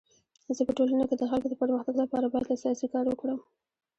زه په ټولنه کي د خلکو د پرمختګ لپاره باید اساسي کار وکړم.